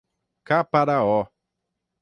Caparaó